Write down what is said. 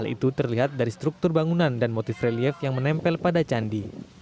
hal itu terlihat dari struktur bangunan dan motif relief yang menempel pada candi